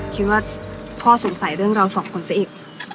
คิดว่าพ่อสงสัยเรื่องเราสองคนซะอีก